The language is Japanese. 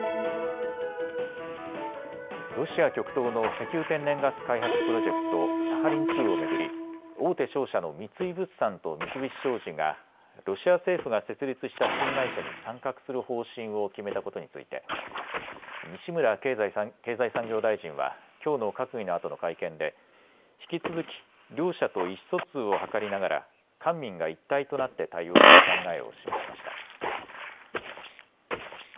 ロシア極東の石油・天然ガス開発プロジェクト、サハリン２を巡り大手商社の三井物産と三菱商事がロシア政府が設立した新会社に参画する方針を決めたことについて西村経済産業大臣はきょうの閣議のあとの会見で引き続き両社と意思疎通を図りながら官民が一体となって対応する考えを示しました。